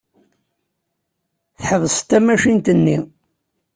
Tḥebseḍ tamacint-nni.